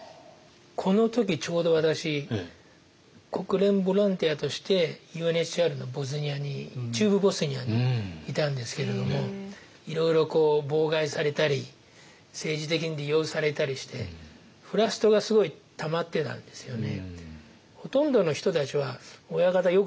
この時ちょうど私国連ボランティアとしてＵＮＨＣＲのボスニアに中部ボスニアにいたんですけれどもいろいろ妨害されたり政治的に利用されたりしてフラストがすごいたまってたんですよね。